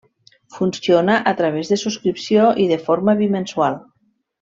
Funciona a través de subscripció i de forma bimensual.